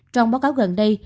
trong báo cáo gần đây